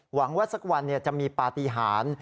หวังว่าสักวันจะมีปฏิหาร